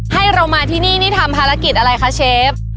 ให้เรามาที่นี่นี่ทำภารกิจอะไรคะเชฟ